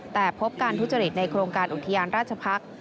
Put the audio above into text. แต่พบการทุจริตในโครงการอุทยานราชพักษ์